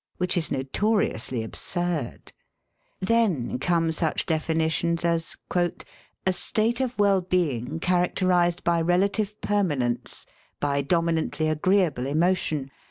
Which is notoriously absurd. Then come such definitions as "a state of well being characterised by relative permanence, by domi nantly agreeable emotion